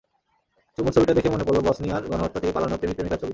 চুমুর ছবিটা দেখে মনে পড়ল বসনিয়ার গণহত্যা থেকে পালানো প্রেমিক প্রেমিকার ছবি।